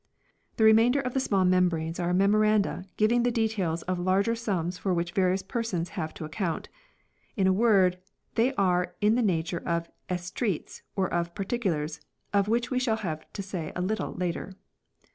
The remainder of the small membranes are Memoranda giving the details of larger sums for which various persons have to account ; in a word they are in the nature of " estreats " or of " particulars," of which we shall have to say a little later.